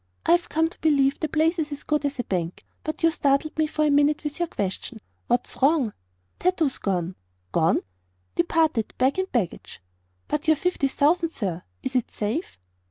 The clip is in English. I've come to believe the place is as good as a bank; but you startled me for a minute, with your question. What's wrong?" "Tato's gone." "Gone!" "Departed bag and baggage." "But your fifty thousand, sir. Is it safe?"